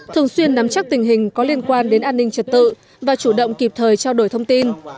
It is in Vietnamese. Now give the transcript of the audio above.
thường xuyên nắm chắc tình hình có liên quan đến an ninh trật tự và chủ động kịp thời trao đổi thông tin